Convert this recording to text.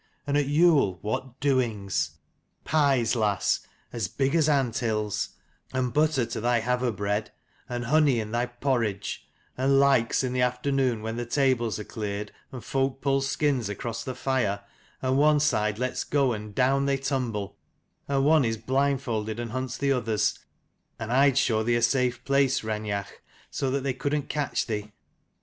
And at Yule, what doings! Pies, lass, as big as ant hills : and butter to thy haver bread, and honey in thy porridge: and laiks in the afternoons, when the tables are cleared and folk pull skins across the fire, and one side lets go and down they tumble : and one is blindfolded and hunts the others: and I'd show thee a safe place, 106 Raineach, so that they could'nt catch thee.